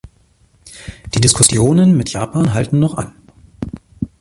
Die Diskussionen mit Japan halten noch an.